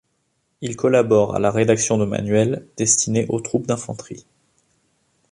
Il collabore à la rédaction de manuels destinés aux troupes d'infanterie.